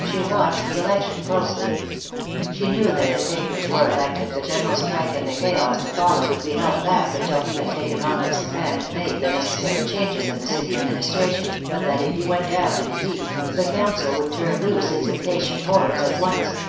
She watched the election closely. She knew that if Akers were elected the general strike and the chaos to follow would be held back until he had taken office and made the necessary changes in the city administration, but that if he went down to defeat the Council would turn loose its impatient hordes at once.